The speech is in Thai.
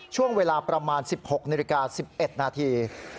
ช่วงเวลาประมาณ๑๖นาฬิกา๑๑นาที